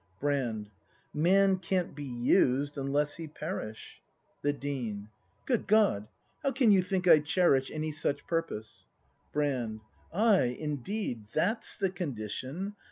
Brand. Man can't be used, unless he perish! The Dean. Good God! How can you think I cherish Any such purpose ? Brand. Ay, indeed. That's the condition!